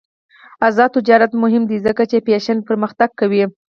آزاد تجارت مهم دی ځکه چې فیشن پرمختګ کوي.